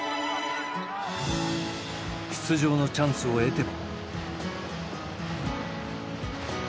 出場のチャンスを得ても。